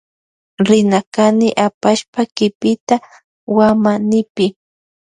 Rina kani apashpa kipita wamanipi.